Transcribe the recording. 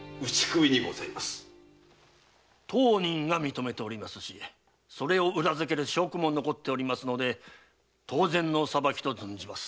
当人が認めておりますしそれを裏付ける証拠も残っており当然のお裁きと存じます。